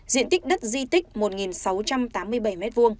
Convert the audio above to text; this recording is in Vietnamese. diện tích đất di tích một sáu trăm tám mươi bảy m hai